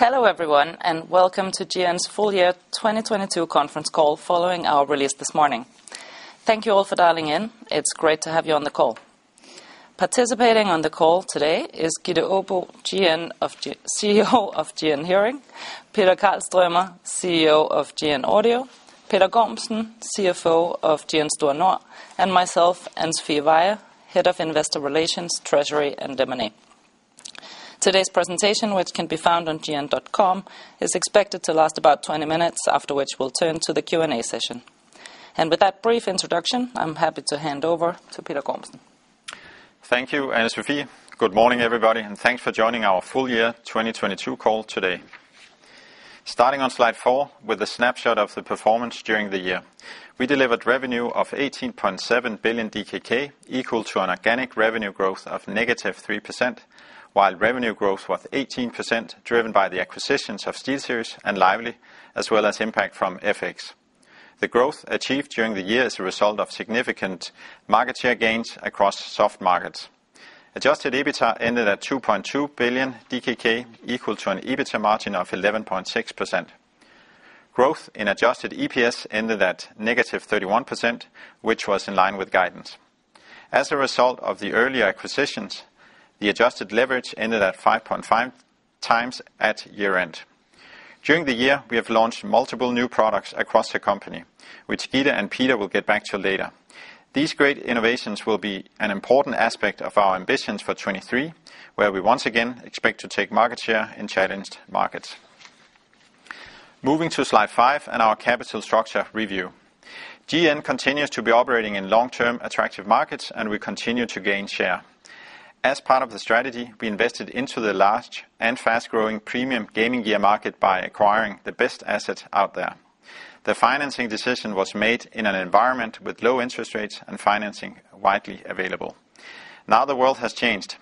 Hello everyone, welcome to GN's full year 2022 conference call following our release this morning. Thank you all for dialing in. It's great to have you on the call. Participating on the call today is Gitte Aabo, CEO of GN Hearing, Peter Karlstromer, CEO of GN Audio, Peter Gormsen, CFO of GN Store Nord, and myself, Anne Sofie Veyhe, Head of Investor Relations, Treasury, and M&A. Today's presentation, which can be found on gn.com, is expected to last about 20 minutes, after which we'll turn to the Q&A session. With that brief introduction, I'm happy to hand over to Peter Gormsen. Thank you, Anne-Sophie. Good morning, everybody, and thanks for joining our full year 2022 call today. Starting on slide 4 with a snapshot of the performance during the year. We delivered revenue of 18.7 billion DKK, equal to an organic revenue growth of -3%, while revenue growth was 18%, driven by the acquisitions of SteelSeries and Lively, as well as impact from FX. The growth achieved during the year is a result of significant market share gains across soft markets. Adjusted EBITDA ended at 2.2 billion DKK, equal to an EBITDA margin of 11.6%. Growth in adjusted EPS ended at -31%, which was in line with guidance. As a result of the earlier acquisitions, the adjusted leverage ended at 5.5 times at year-end. During the year, we have launched multiple new products across the company, which Gitte and Peter will get back to later. These great innovations will be an important aspect of our ambitions for 2023, where we once again expect to take market share in challenged markets. Moving to slide 5 and our capital structure review. GN continues to be operating in long-term attractive markets, and we continue to gain share. As part of the strategy, we invested into the large and fast-growing premium gaming gear market by acquiring the best asset out there. The financing decision was made in an environment with low interest rates and financing widely available. Now, the world has changed.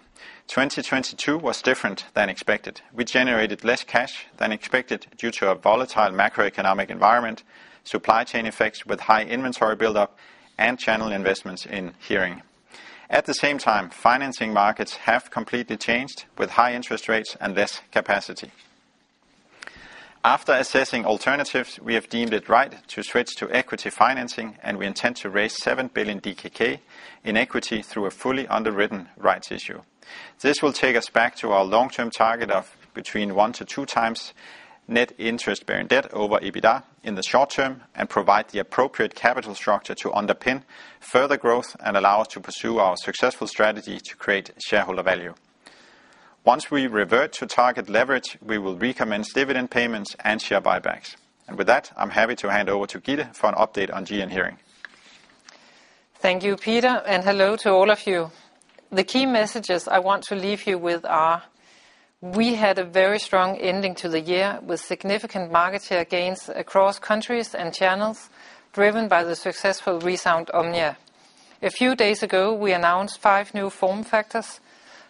2022 was different than expected. We generated less cash than expected due to a volatile macroeconomic environment, supply chain effects with high inventory buildup, and channel investments in hearing. At the same time, financing markets have completely changed with high interest rates and less capacity. After assessing alternatives, we have deemed it right to switch to equity financing. We intend to raise 7 billion DKK in equity through a fully underwritten rights issue. This will take us back to our long-term target of between 1 to 2 times net interest-bearing debt over EBITDA in the short term and provide the appropriate capital structure to underpin further growth and allow us to pursue our successful strategy to create shareholder value. Once we revert to target leverage, we will recommence dividend payments and share buybacks. With that, I'm happy to hand over to Gitte for an update on GN Hearing. Thank you, Peter, and hello to all of you. The key messages I want to leave you with are we had a very strong ending to the year with significant market share gains across countries and channels driven by the successful ReSound OMNIA. A few days ago, we announced five new form factors,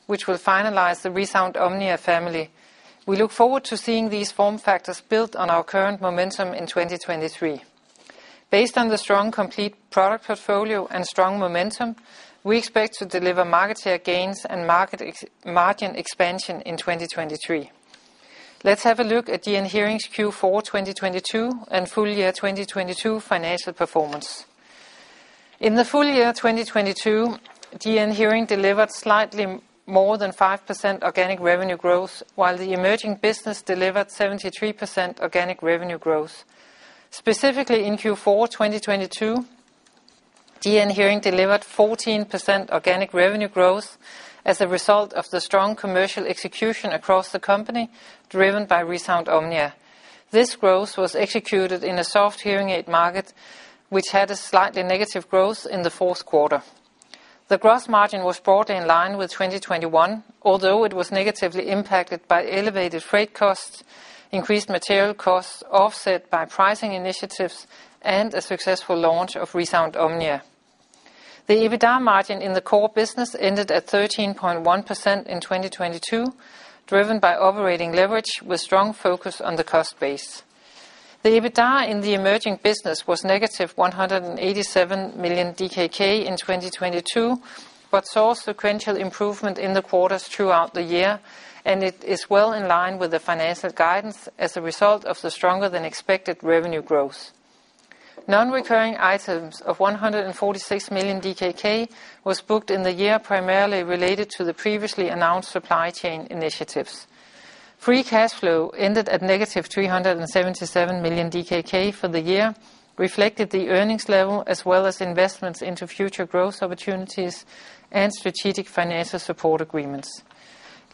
which will finalize the ReSound OMNIA family. We look forward to seeing these form factors built on our current momentum in 2023. Based on the strong, complete product portfolio and strong momentum, we expect to deliver market share gains and market ex- margin expansion in 2023. Let's have a look at GN Hearing's Q4 2022 and full year 2022 financial performance. In the full year 2022, GN Hearing delivered slightly more than 5% organic revenue growth, while the emerging business delivered 73% organic revenue growth. Specifically in Q4 2022, GN Hearing delivered 14% organic revenue growth as a result of the strong commercial execution across the company driven by ReSound OMNIA. This growth was executed in a soft hearing aid market, which had a slightly negative growth in the fourth quarter. The gross margin was broadly in line with 2021, although it was negatively impacted by elevated freight costs, increased material costs offset by pricing initiatives and a successful launch of ReSound OMNIA. The EBITDA margin in the core business ended at 13.1% in 2022, driven by operating leverage with strong focus on the cost base. The EBITDA in the emerging business was negative 187 million DKK in 2022, but saw sequential improvement in the quarters throughout the year, and it is well in line with the financial guidance as a result of the stronger than expected revenue growth. Non-recurring items of 146 million DKK was booked in the year primarily related to the previously announced supply chain initiatives. Free cash flow ended at negative 377 million DKK for the year, reflected the earnings level as well as investments into future growth opportunities and strategic financial support agreements.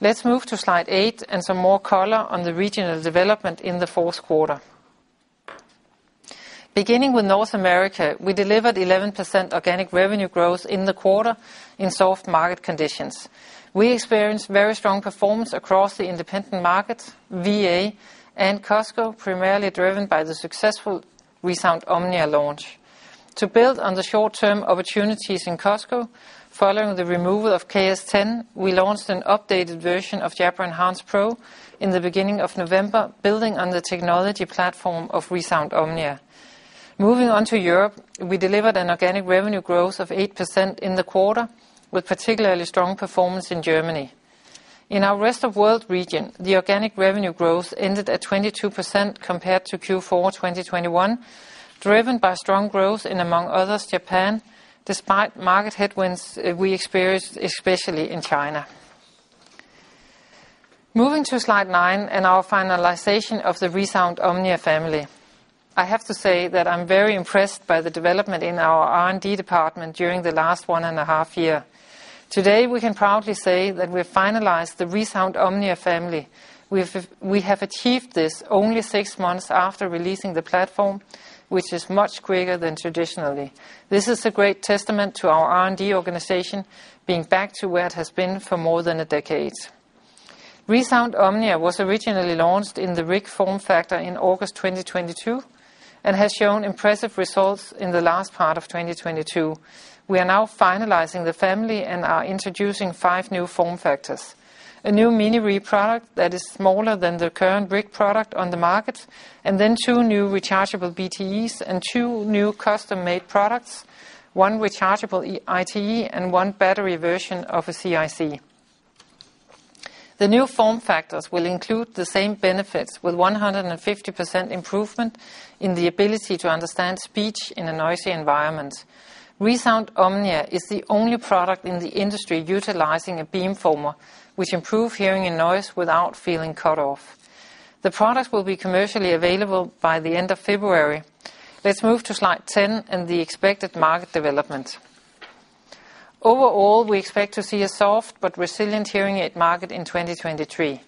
Let's move to slide 8 and some more color on the regional development in the fourth quarter. Beginning with North America, we delivered 11% organic revenue growth in the quarter in soft market conditions. We experienced very strong performance across the independent markets, VA, and Costco, primarily driven by the successful ReSound OMNIA launch. To build on the short-term opportunities in Costco following the removal of KS 10, we launched an updated version of Jabra Enhance Pro in the beginning of November, building on the technology platform of ReSound OMNIA. Moving on to Europe, we delivered an organic revenue growth of 8% in the quarter, with particularly strong performance in Germany. In our rest of world region, the organic revenue growth ended at 22% compared to Q4 2021, driven by strong growth in, among others, Japan, despite market headwinds we experienced especially in China. Moving to slide 9 and our finalization of the ReSound OMNIA family. I have to say that I'm very impressed by the development in our R&D department during the last one and a half year. Today, we can proudly say that we've finalized the ReSound OMNIA family. We have achieved this only 6 months after releasing the platform, which is much quicker than traditionally. This is a great testament to our R&D organization being back to where it has been for more than a decade. ReSound OMNIA was originally launched in the RIC form factor in August 2022 and has shown impressive results in the last part of 2022. We are now finalizing the family and are introducing five new form factors. A new miniRIE product that is smaller than the current RIC product on the market, and then two new rechargeable BTEs and two new custom-made products, one rechargeable ITE and 1 battery version of a CIC. The new form factors will include the same benefits with 150% improvement in the ability to understand speech in a noisy environment. ReSound OMNIA is the only product in the industry utilizing a beamformer, which improve hearing and noise without feeling cut off. The product will be commercially available by the end of February. Let's move to slide 10 and the expected market development. Overall, we expect to see a soft but resilient hearing aid market in 2023.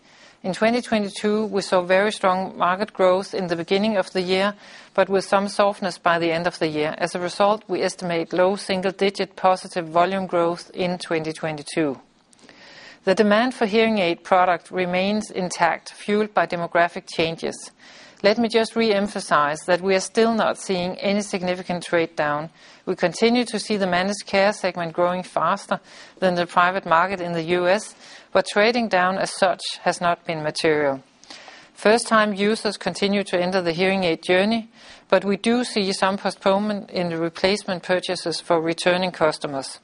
In 2022, we saw very strong market growth in the beginning of the year, but with some softness by the end of the year. As a result, we estimate low single digit positive volume growth in 2022. The demand for hearing aid product remains intact, fueled by demographic changes. Let me just re-emphasize that we are still not seeing any significant trade down. We continue to see the managed care segment growing faster than the private market in the U.S., but trading down as such has not been material. First time users continue to enter the hearing aid journey, but we do see some postponement in the replacement purchases for returning customers.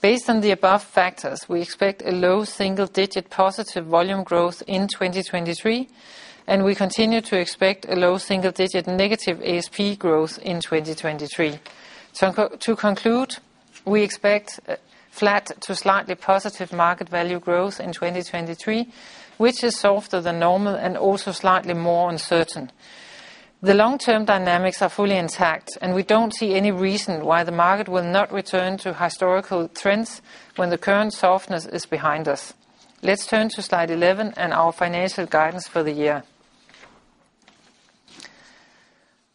Based on the above factors, we expect a low single-digit positive volume growth in 2023, and we continue to expect a low single-digit negative ASP growth in 2023. To conclude, we expect flat to slightly positive market value growth in 2023, which is softer than normal and also slightly more uncertain. The long-term dynamics are fully intact, and we don't see any reason why the market will not return to historical trends when the current softness is behind us. Let's turn to slide 11 and our financial guidance for the year.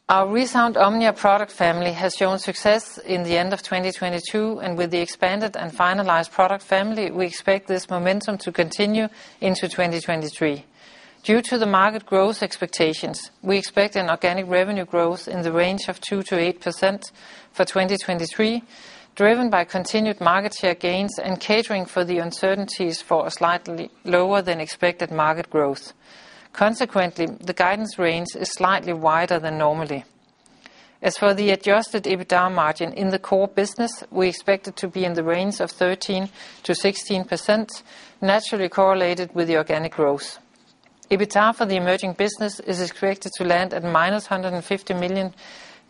Our ReSound OMNIA product family has shown success in the end of 2022, and with the expanded and finalized product family, we expect this momentum to continue into 2023. Due to the market growth expectations, we expect an organic revenue growth in the range of 2%-8% for 2023, driven by continued market share gains and catering for the uncertainties for a slightly lower than expected market growth. The guidance range is slightly wider than normally. As for the adjusted EBITDA margin in the core business, we expect it to be in the range of 13%-16%, naturally correlated with the organic growth. EBITDA for the emerging business is expected to land at -150 million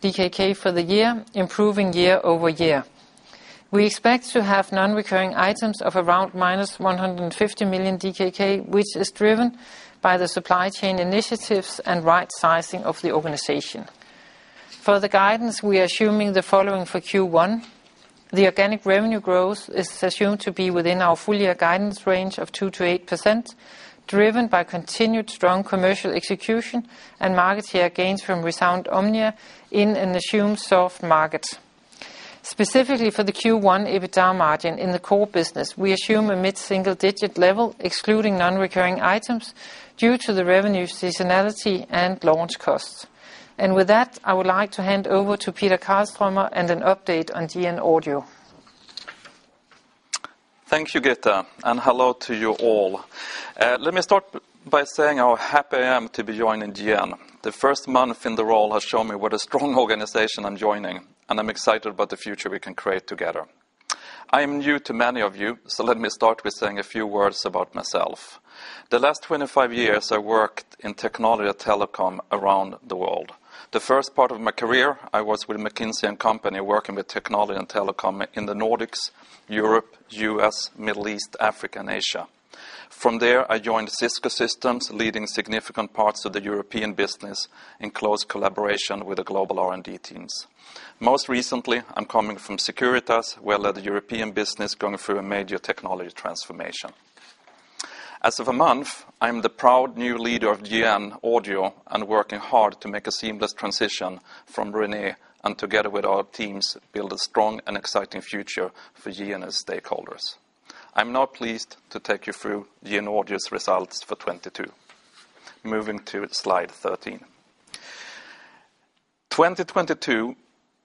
DKK for the year, improving year-over-year. We expect to have non-recurring items of around -150 million DKK, which is driven by the supply chain initiatives and right sizing of the organization. For the guidance, we are assuming the following for Q1. The organic revenue growth is assumed to be within our full year guidance range of 2%-8%, driven by continued strong commercial execution and market share gains from ReSound OMNIA in an assumed soft market. Specifically for the Q1 EBITDA margin in the core business, we assume a mid-single digit level, excluding non-recurring items due to the revenue seasonality and launch costs. With that, I would like to hand over to Peter Karlstromer and an update on GN Audio. Thank you, Gitte. Hello to you all. Let me start by saying how happy I am to be joining GN. The first month in the role has shown me what a strong organization I'm joining, and I'm excited about the future we can create together. I am new to many of you. Let me start with saying a few words about myself. The last 25 years, I worked in technology or telecom around the world. The first part of my career, I was with McKinsey & Company, working with technology and telecom in the Nordics, Europe, U.S., Middle East, Africa, and Asia. From there, I joined Cisco Systems, leading significant parts of the European business in close collaboration with the global R&D teams. Most recently, I'm coming from Securitas, where the European business going through a major technology transformation. As of a month, I'm the proud new leader of GN Audio and working hard to make a seamless transition from René, and together with our teams, build a strong and exciting future for GN and stakeholders. I'm now pleased to take you through GN Audio's results for 2022. Moving to slide 13. 2022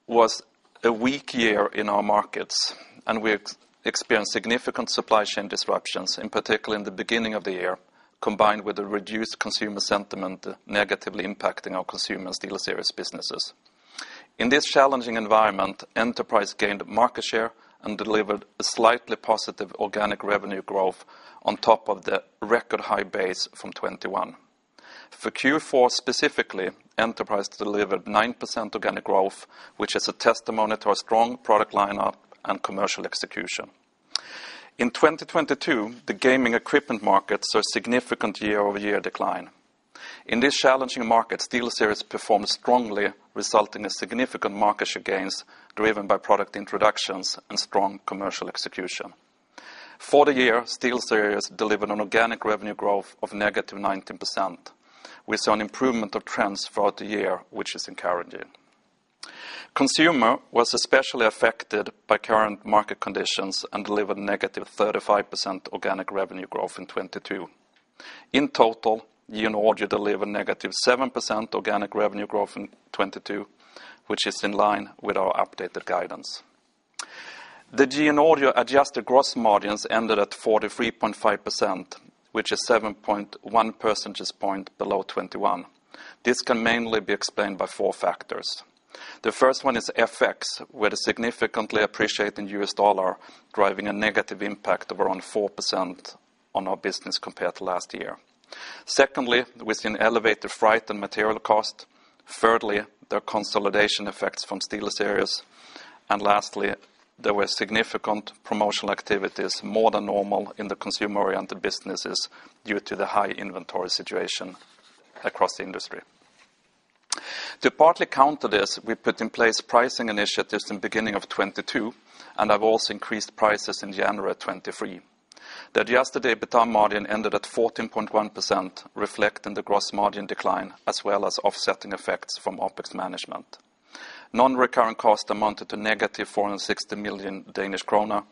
was a weak year in our markets, and we experienced significant supply chain disruptions, in particular in the beginning of the year, combined with a reduced consumer sentiment negatively impacting our consumer SteelSeries businesses. In this challenging environment, enterprise gained market share and delivered a slightly positive organic revenue growth on top of the record high base from 2021. For Q4 specifically, enterprise delivered 9% organic growth, which is a testimony to our strong product lineup and commercial execution. In 2022, the gaming equipment market saw a significant year-over-year decline. In this challenging market, SteelSeries performed strongly, resulting in significant market share gains driven by product introductions and strong commercial execution. For the year, SteelSeries delivered an organic revenue growth of negative 19%. We saw an improvement of trends throughout the year, which is encouraging. Consumer was especially affected by current market conditions and delivered negative 35% organic revenue growth in 2022. In total, GN Audio delivered negative 7% organic revenue growth in 2022, which is in line with our updated guidance. The GN Audio adjusted gross margins ended at 43.5%, which is 7.1 percentage point below 2021. This can mainly be explained by 4 factors. The first one is FX, with a significantly appreciating U.S. dollar driving a negative impact of around 4% on our business compared to last year. Secondly, we've seen elevated freight and material cost. Thirdly, there are consolidation effects from SteelSeries. Lastly, there were significant promotional activities, more than normal in the consumer-oriented businesses due to the high inventory situation across the industry. To partly counter this, we put in place pricing initiatives in beginning of 22, and have also increased prices in January of 23. The adjusted EBITDA margin ended at 14.1%, reflecting the gross margin decline as well as offsetting effects from OpEx management. Non-recurrent cost amounted to -460 million Danish krone,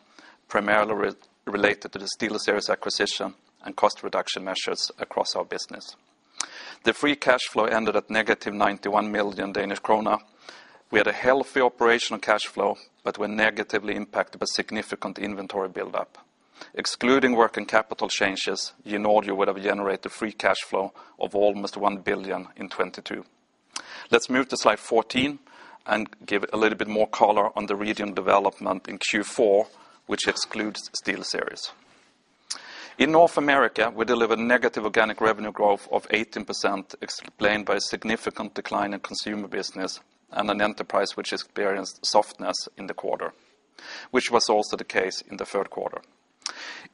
primarily re-related to the SteelSeries acquisition and cost reduction measures across our business. The free cash flow ended at -91 million Danish krone. We had a healthy operational cash flow, were negatively impacted by significant inventory buildup. Excluding work and capital changes, GN Audio would have generated free cash flow of almost 1 billion in 22. Let's move to slide 14 and give a little bit more color on the region development in Q4, which excludes SteelSeries. In North America, we delivered negative organic revenue growth of 18%, explained by a significant decline in consumer business and an enterprise which experienced softness in the quarter, which was also the case in the third quarter.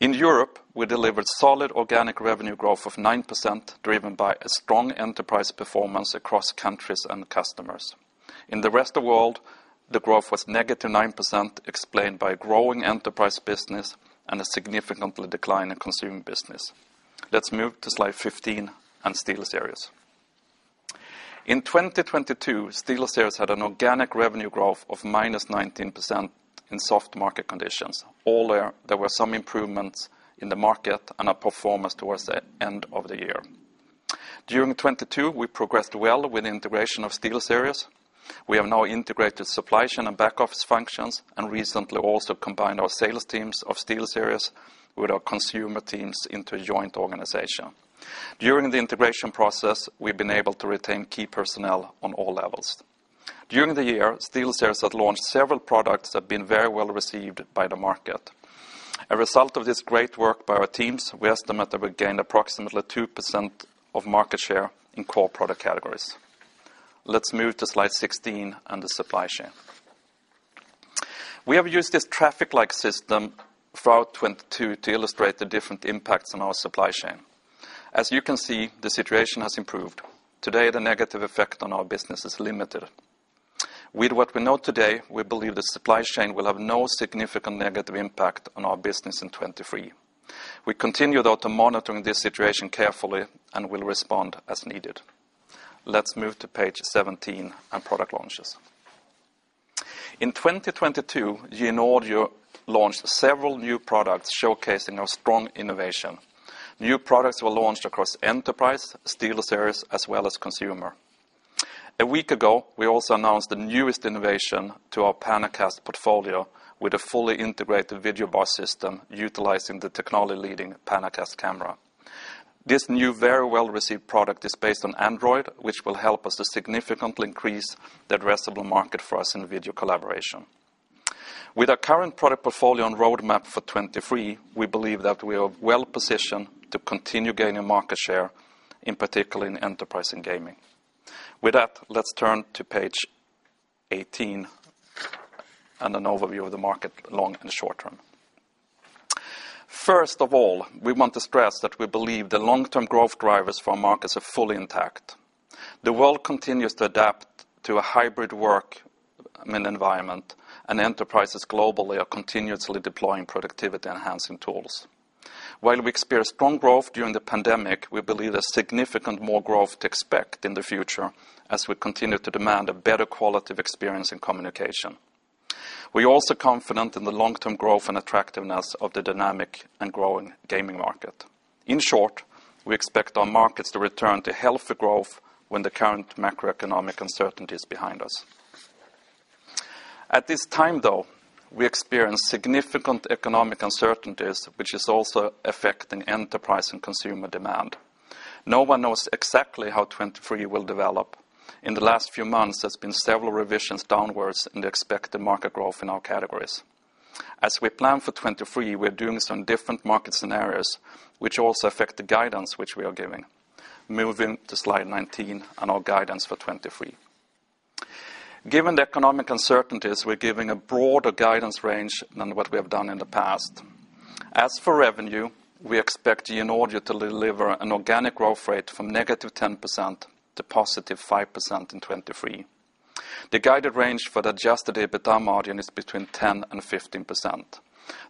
In Europe, we delivered solid organic revenue growth of 9%, driven by a strong enterprise performance across countries and customers. In the rest of world, the growth was negative 9%, explained by a growing enterprise business and a significantly decline in consumer business. Let's move to slide 15 and SteelSeries. In 2022, SteelSeries had an organic revenue growth of -19% in soft market conditions. All year, there were some improvements in the market and our performance towards the end of the year. During 2022, we progressed well with integration of SteelSeries. We have now integrated supply chain and back-office functions, and recently also combined our sales teams of SteelSeries with our consumer teams into a joint organization. During the integration process, we've been able to retain key personnel on all levels. During the year, SteelSeries had launched several products that have been very well-received by the market. A result of this great work by our teams, we estimate that we gained approximately 2% of market share in core product categories. Let's move to slide 16 and the supply chain. We have used this traffic light system throughout 2022 to illustrate the different impacts on our supply chain. As you can see, the situation has improved. Today, the negative effect on our business is limited. With what we know today, we believe the supply chain will have no significant negative impact on our business in 23. We continue, though, to monitoring this situation carefully and will respond as needed. Let's move to page 17 and product launches. In 2022, GN Audio launched several new products showcasing our strong innovation. New products were launched across enterprise, SteelSeries, as well as consumer. A week ago, we also announced the newest innovation to our PanaCast portfolio with a fully integrated video bar system utilizing the technology-leading PanaCast camera. This new very well-received product is based on Android, which will help us to significantly increase the addressable market for us in video collaboration. With our current product portfolio and roadmap for 2023, we believe that we are well-positioned to continue gaining market share, in particular in enterprise and gaming. With that, let's turn to page 18 and an overview of the market, long and short term. First of all, we want to stress that we believe the long-term growth drivers for our markets are fully intact. The world continues to adapt to a hybrid work, I mean, environment. Enterprises globally are continuously deploying productivity-enhancing tools. While we experienced strong growth during the pandemic, we believe there's significant more growth to expect in the future as we continue to demand a better quality of experience in communication. We're also confident in the long-term growth and attractiveness of the dynamic and growing gaming market. In short, we expect our markets to return to healthy growth when the current macroeconomic uncertainty is behind us. At this time, though, we experience significant economic uncertainties, which is also affecting enterprise and consumer demand. No one knows exactly how 2023 will develop. In the last few months, there's been several revisions downwards in the expected market growth in our categories. As we plan for 2023, we're doing some different market scenarios, which also affect the guidance which we are giving. Moving to slide 19 on our guidance for 2023. Given the economic uncertainties, we're giving a broader guidance range than what we have done in the past. As for revenue, we expect GN Audio to deliver an organic growth rate from -10% to +5% in 2023. The guided range for the adjusted EBITDA margin is between 10% and 15%.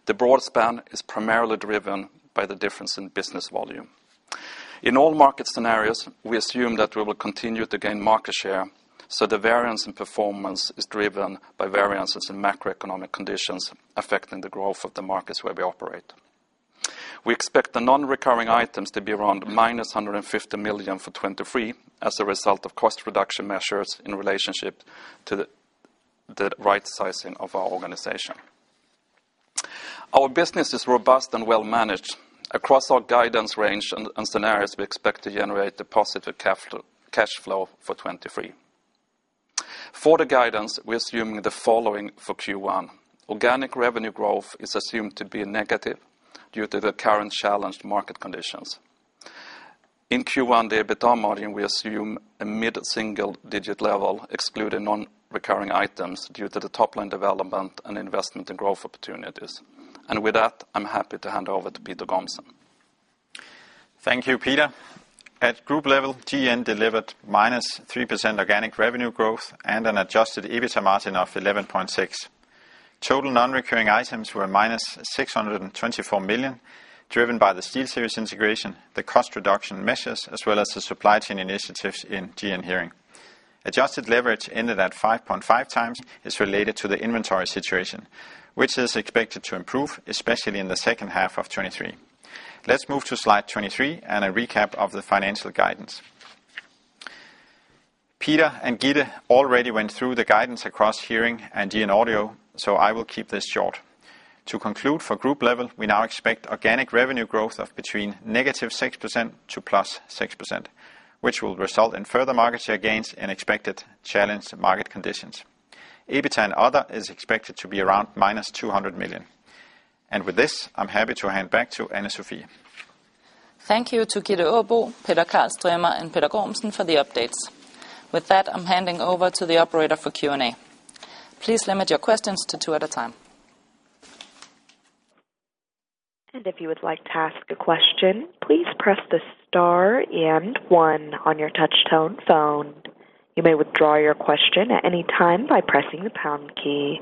The broad span is primarily driven by the difference in business volume. In all market scenarios, we assume that we will continue to gain market share, so the variance in performance is driven by variances in macroeconomic conditions affecting the growth of the markets where we operate. We expect the non-recurring items to be around -150 million for 2023 as a result of cost reduction measures in relationship to the right sizing of our organization. Our business is robust and well managed. Across our guidance range and scenarios, we expect to generate a positive cash flow for 2023. For the guidance, we're assuming the following for Q1. Organic revenue growth is assumed to be negative due to the current challenged market conditions. In Q1, the EBITDA margin, we assume a mid-single digit level excluding non-recurring items due to the top-line development and investment in growth opportunities. With that, I'm happy to hand over to Peter Gormsen. Thank you, Peter. At group level, GN delivered -3% organic revenue growth and an adjusted EBITDA margin of 11.6%. Total non-recurring items were -624 million, driven by the SteelSeries integration, the cost reduction measures, as well as the supply chain initiatives in GN Hearing. Adjusted leverage ended at 5.5x is related to the inventory situation, which is expected to improve, especially in the second half of 2023. Let's move to slide 23 and a recap of the financial guidance. Peter and Gitte already went through the guidance across Hearing and GN Audio. I will keep this short. To conclude, for group level, we now expect organic revenue growth of between -6% to +6%, which will result in further market share gains and expected challenged market conditions. EBITDA and other is expected to be around -200 million. With this, I'm happy to hand back to Anne-Sophie. Thank you to Gitte Aabo, Peter Karlstromer, and Peter Gormsen for the updates. With that, I'm handing over to the operator for Q&A. Please limit your questions to two at a time. If you would like to ask a question, please press the star and one on your touch-tone phone. You may withdraw your question at any time by pressing the pound key.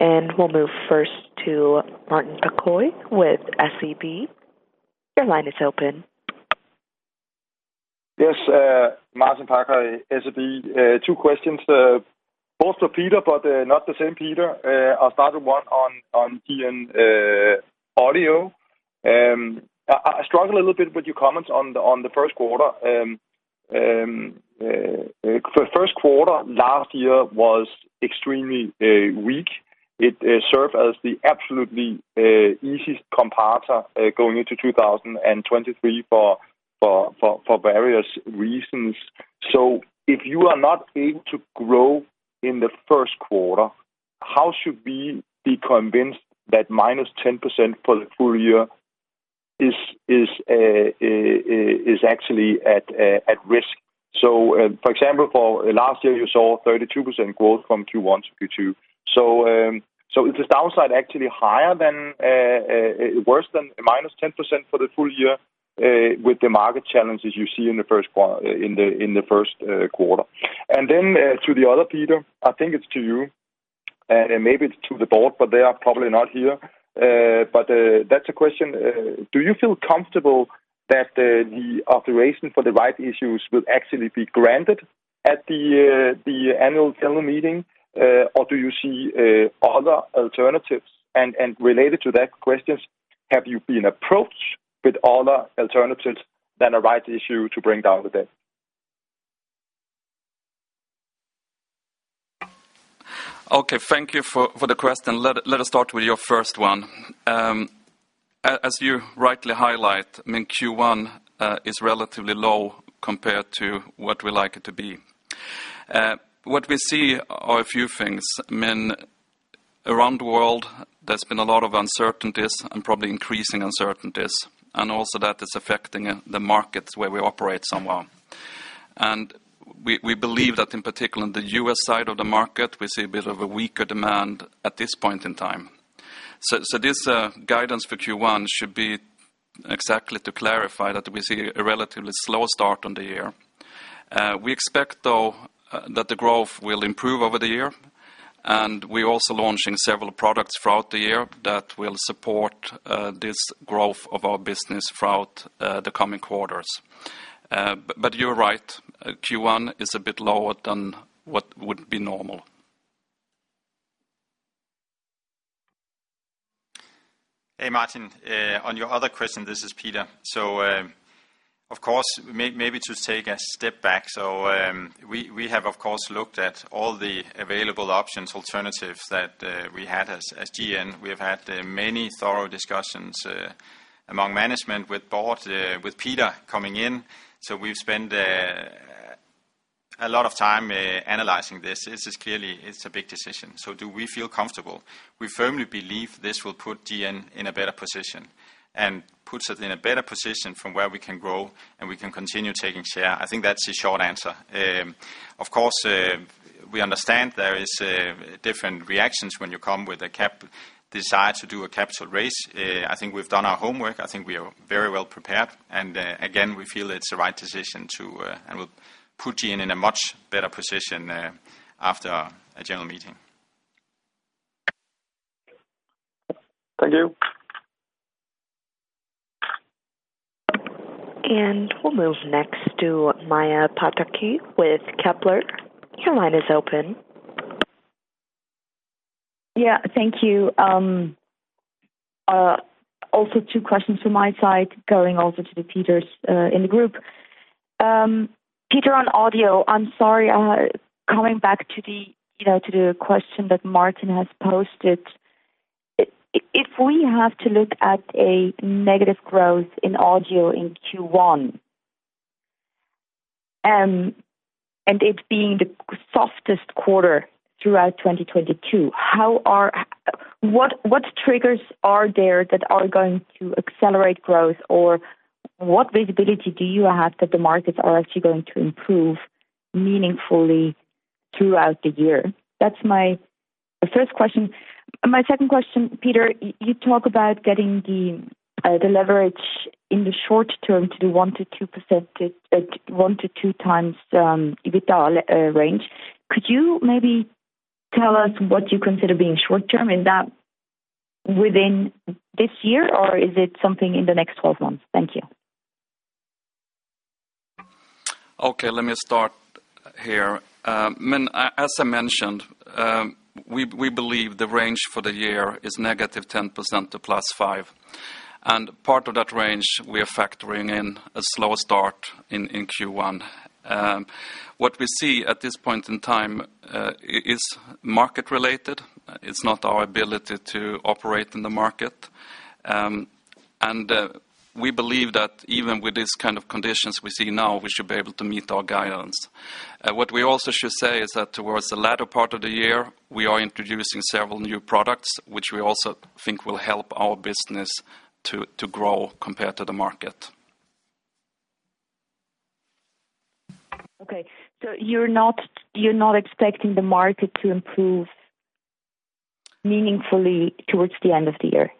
We'll move first to Martin Parkhøi with SEB. Your line is open. Martin Parkhøi, SEB. Two questions, both to Peter, but not the same Peter. I'll start with one on GN Audio. I struggle a little bit with your comments on the first quarter. First quarter last year was extremely weak. It served as the absolutely easiest comparator going into 2023 for various reasons. If you are not able to grow in the first quarter, how should we be convinced that -10% for the full year is actually at risk? For example, for last year, you saw 32% growth from Q1 to Q2. Is this downside actually higher than, worse than -10% for the full year, with the market challenges you see in the first quarter? To the other Peter, I think it's to you, and maybe it's to the board, but they are probably not here. That's a question. Do you feel comfortable that the authorization for the rights issue will actually be granted at the Annual General Meeting? Do you see other alternatives? Related to that questions, have you been approached with other alternatives than a rights issue to bring down the debt? Okay, thank you for the question. Let us start with your first one. As you rightly highlight, I mean, Q1 is relatively low compared to what we like it to be. What we see are a few things. I mean, around the world, there's been a lot of uncertainties and probably increasing uncertainties, and also that is affecting the markets where we operate somewhere. We believe that in particular in the U.S. side of the market, we see a bit of a weaker demand at this point in time. This guidance for Q1 should be exactly to clarify that we see a relatively slow start on the year. We expect, though, that the growth will improve over the year, and we're also launching several products throughout the year that will support this growth of our business throughout the coming quarters. You're right, Q1 is a bit lower than what would be normal. Hey, Martin. On your other question, this is Peter. Of course, maybe to take a step back. We, we have of course looked at all the available options, alternatives that we had as GN. We have had many thorough discussions among management with board, with Peter coming in. We've spent a lot of time analyzing this. This is clearly, it's a big decision. Do we feel comfortable? We firmly believe this will put GN in a better position and puts us in a better position from where we can grow and we can continue taking share. I think that's the short answer. Of course, we understand there is different reactions when you come with a cap, desire to do a capital raise. I think we've done our homework. I think we are very well prepared. Again, we feel it's the right decision to and will put you in a much better position after our general meeting. Thank you. We'll move next to Maja Pataki with Kepler. Your line is open. Yeah, thank you. Also two questions from my side, going over to the Peters in the group. Peter, on audio, I'm sorry, coming back to the, you know, to the question that Martin Parkhøi has posted. If we have to look at a negative growth in audio in Q1, and it being the softest quarter throughout 2022, what triggers are there that are going to accelerate growth? Or what visibility do you have that the markets are actually going to improve meaningfully throughout the year? That's my first question. My second question, Peter, you talk about getting the leverage in the short term to the 1%-2%, 1x-2x EBITA range. Could you maybe tell us what you consider being short term? Is that within this year, or is it something in the next 12 months? Thank you. Okay, let me start here. As I mentioned, we believe the range for the year is -10% to +5%. Part of that range we are factoring in a slow start in Q1. What we see at this point in time is market related. It's not our ability to operate in the market. We believe that even with this kind of conditions we see now, we should be able to meet our guidance. What we also should say is that towards the latter part of the year, we are introducing several new products, which we also think will help our business to grow compared to the market. Okay. you're not expecting the market to improve meaningfully towards the end of the year?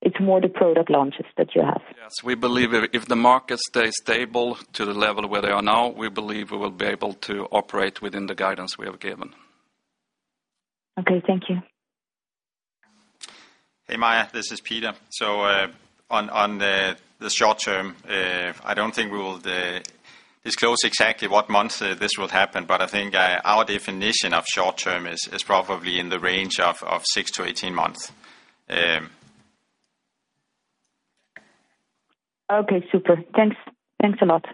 It's more the product launches that you have. Yes. We believe if the market stays stable to the level where they are now, we believe we will be able to operate within the guidance we have given. Okay, thank you. Maja, this is Peter. On the short term, I don't think we will disclose exactly what month this will happen, but I think our definition of short term is probably in the range of 6-18 months. Okay, super. Thanks. Thanks a lot.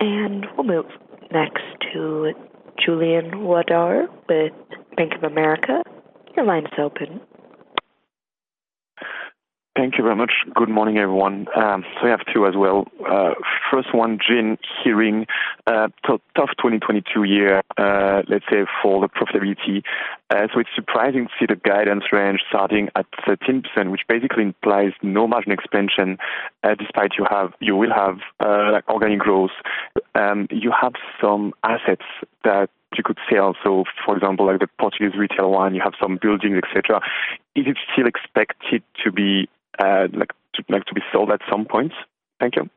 We'll move next to Julien Ouaddour with Bank of America. Your line is open. Thank you very much. Good morning, everyone. I have two as well. First one, GN Hearing, tough 2022 year, let's say for the profitability. It's surprising to see the guidance range starting at 13%, which basically implies no margin expansion, despite you have, you will have organic growth. You have some assets that you could sell. For example, like the Portuguese retail one, you have some buildings, et cetera. Is it still expected to be like to be sold at some point? Thank you.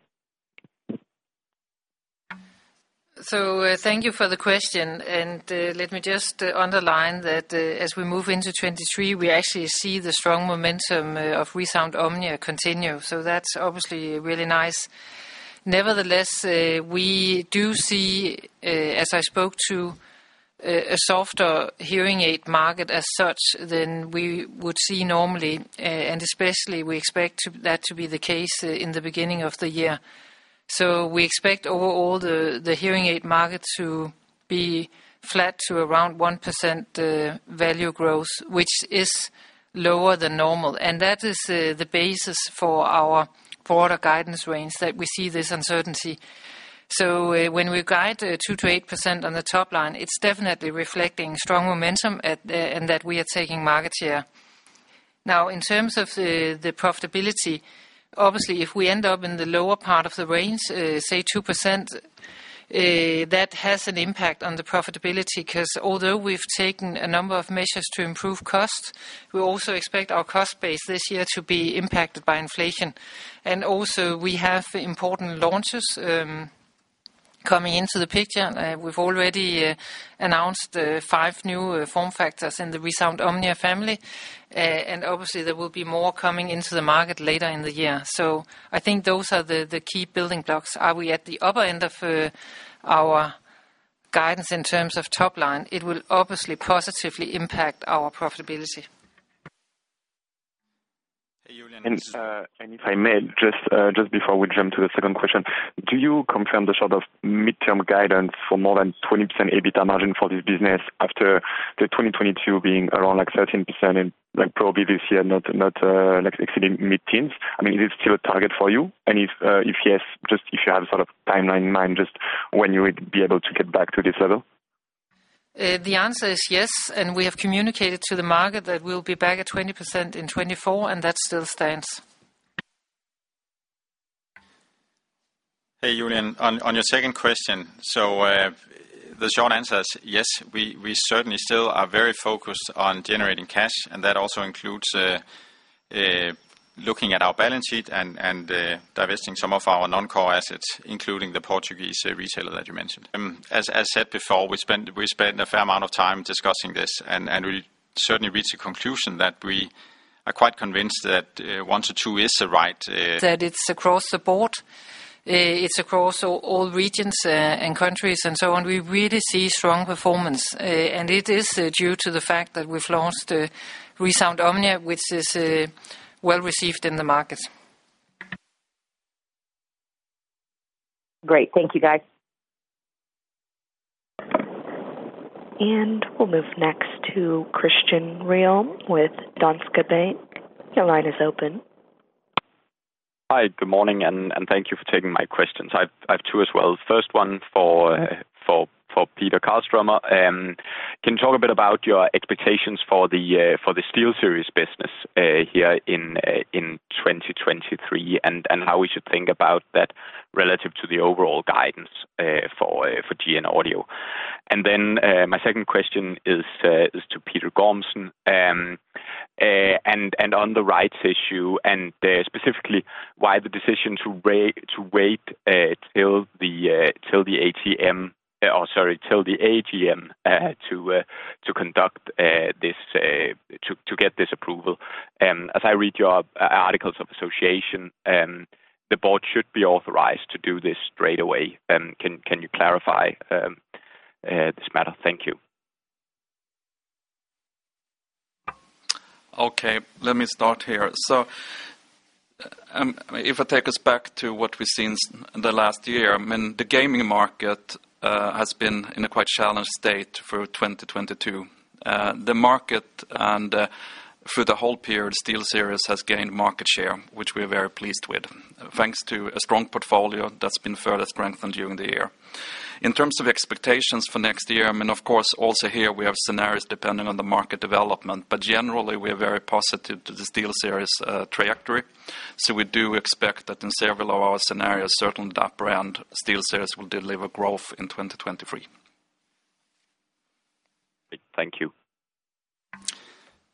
Thank you for the question. Let me just underline that as we move into 2023, we actually see the strong momentum of ReSound OMNIA continue. That's obviously really nice. Nevertheless, we do see, as I spoke to, a softer hearing aid market as such than we would see normally, and especially we expect that to be the case in the beginning of the year. We expect overall the hearing aid market to be flat to around 1% value growth, which is lower than normal. That is the basis for our broader guidance range that we see this uncertainty. When we guide 2%-8% on the top line, it's definitely reflecting strong momentum at and that we are taking market share. Now, in terms of the profitability, obviously, if we end up in the lower part of the range, say 2%, that has an impact on the profitability, 'cause although we've taken a number of measures to improve costs, we also expect our cost base this year to be impacted by inflation. Also, we have important launches coming into the picture. We've already announced five new form factors in the ReSound OMNIA family, and obviously there will be more coming into the market later in the year. I think those are the key building blocks. Are we at the upper end of our Guidance in terms of top line, it will obviously positively impact our profitability. Hey, Julien. If I may, just before we jump to the second question, do you confirm the sort of midterm guidance for more than 20% EBITA margin for this business after 2022 being around like 13% and like probably this year not like exceeding mid-teens. I mean, is this still a target for you? If yes, just if you have sort of timeline in mind just when you would be able to get back to this level. The answer is yes. We have communicated to the market that we'll be back at 20% in 2024. That still stands. Hey, Julian. On your second question, the short answer is yes, we certainly still are very focused on generating cash, and that also includes, looking at our balance sheet and, divesting some of our non-core assets, including the Portuguese retailer that you mentioned. As said before, we spend a fair amount of time discussing this, and we certainly reached the conclusion that we are quite convinced that, one to two is the right- It's across the board. It's across all regions and countries and so on. We really see strong performance. It is due to the fact that we've launched ReSound OMNIA, which is well-received in the markets. Great. Thank you, guys. We'll move next to Kristian Rumph with Danske Bank. Your line is open. Hi, good morning, and thank you for taking my questions. I've two as well. First one for Peter Karlstromer. Can you talk a bit about your expectations for the SteelSeries business here in 2023 and how we should think about that relative to the overall guidance for GN Audio? My second question is to Peter Gormsen, and on the rights issue, and specifically why the decision to wait till the ATM, or sorry, till the AGM, to get this approval. As I read your articles of association, the board should be authorized to do this straight away. Can you clarify this matter? Thank you. Okay, let me start here. If I take us back to what we've seen the last year, I mean, the gaming market has been in a quite challenged state through 2022. The market and through the whole period, SteelSeries has gained market share, which we are very pleased with, thanks to a strong portfolio that's been further strengthened during the year. In terms of expectations for next year, I mean, of course, also here we have scenarios depending on the market development, but generally we are very positive to the SteelSeries trajectory. We do expect that in several of our scenarios, certainly the upper end SteelSeries will deliver growth in 2023. Thank you.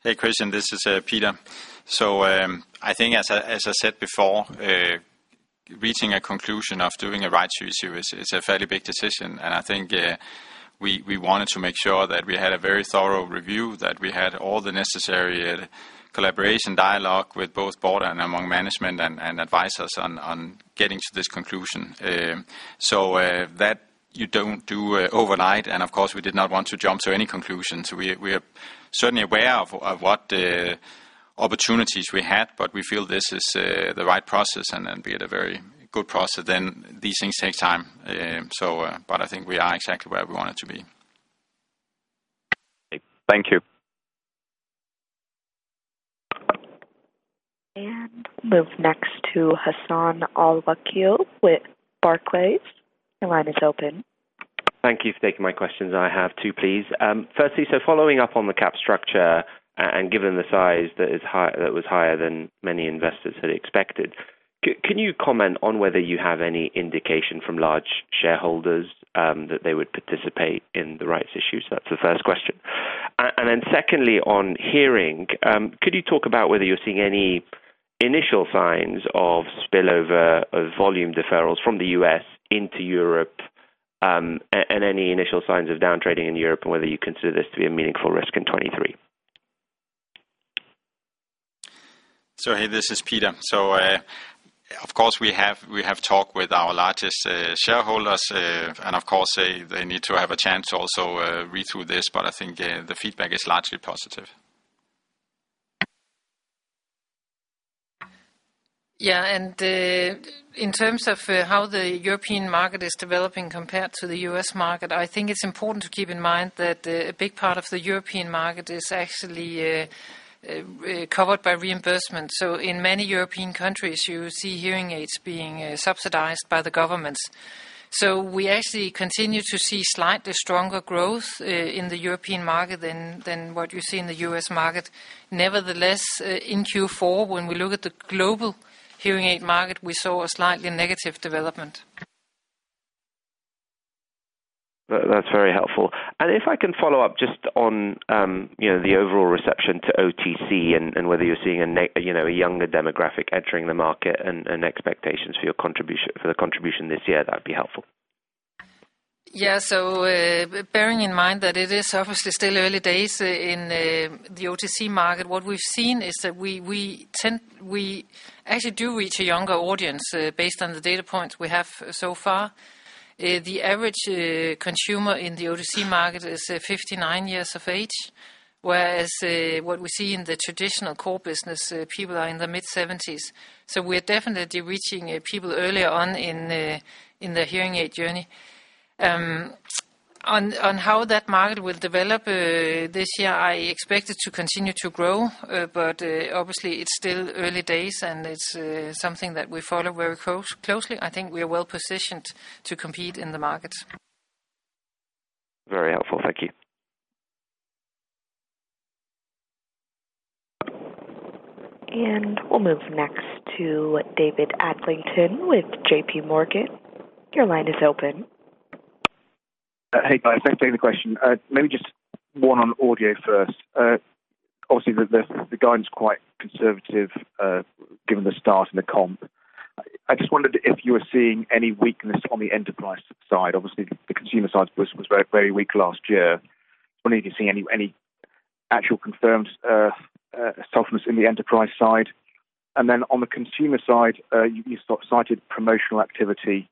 Hey, Christian, this is Peter. I think as I said before, reaching a conclusion of doing a rights issue is a fairly big decision. I think, we wanted to make sure that we had a very thorough review, that we had all the necessary collaboration dialogue with both board and among management and advisors on getting to this conclusion. That you don't do overnight, and of course, we did not want to jump to any conclusions. We are certainly aware of what opportunities we had, but we feel this is the right process and we had a very good process then these things take time. I think we are exactly where we wanted to be. Thank you. Move next to Hassan Al-Wakeel with Barclays. Your line is open. Thank you for taking my questions. I have two, please. Firstly, following up on the cap structure and given the size that is high, that was higher than many investors had expected, can you comment on whether you have any indication from large shareholders that they would participate in the rights issue? That's the first question. Then secondly, on hearing, could you talk about whether you're seeing any initial signs of spillover of volume deferrals from the U.S. into Europe, and any initial signs of downtrading in Europe, and whether you consider this to be a meaningful risk in 2023? Hey, this is Peter. Of course we have talked with our largest shareholders, and of course they need to have a chance to also read through this, but I think the feedback is largely positive. In terms of how the European market is developing compared to the U.S. market, I think it's important to keep in mind that a big part of the European market is actually covered by reimbursement. In many European countries, you see hearing aids being subsidized by the governments. We actually continue to see slightly stronger growth in the European market than what you see in the U.S. market. In Q4, when we look at the global hearing aid market, we saw a slightly negative development. That's very helpful. If I can follow up just on, you know, the overall reception to OTC and whether you're seeing you know, a younger demographic entering the market and expectations for the contribution this year, that'd be helpful. Yeah. Bearing in mind that it is obviously still early days in the OTC market, what we've seen is that we actually do reach a younger audience based on the data points we have so far. The average consumer in the OTC market is 59 years of age, whereas what we see in the traditional core business, people are in their mid-70s. We're definitely reaching people earlier on in the hearing aid journey. On how that market will develop this year, I expect it to continue to grow. Obviously it's still early days, and it's something that we follow very closely. I think we are well-positioned to compete in the markets. Very helpful. Thank you. We'll move next to David Adlington with JPMorgan. Your line is open. Hey guys. Thanks for taking the question. Maybe just one on audio first. Obviously the guidance is quite conservative, given the start and the comp. I just wondered if you were seeing any weakness on the enterprise side. Obviously, the consumer side was very, very weak last year. Wondering if you're seeing any actual confirmed softness in the enterprise side. On the consumer side, you cited promotional activity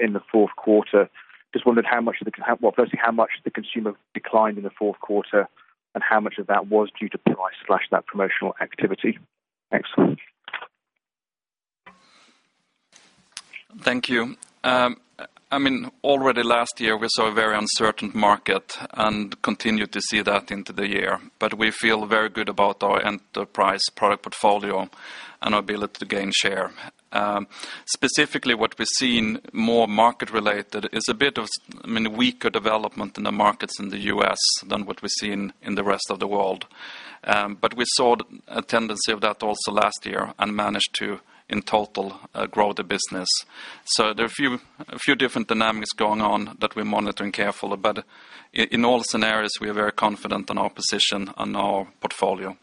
in the fourth quarter. Just wondered how much of the... Well, firstly, how much the consumer declined in the fourth quarter and how much of that was due to price/that promotional activity. Thanks. Thank you. I mean, already last year we saw a very uncertain market and continued to see that into the year. We feel very good about our enterprise product portfolio and our ability to gain share. Specifically what we're seeing more market related is a bit of, I mean, weaker development in the markets in the U.S. than what we're seeing in the rest of the world. We saw a tendency of that also last year and managed to, in total, grow the business. There are a few different dynamics going on that we're monitoring carefully. In all scenarios, we are very confident in our position and our portfolio.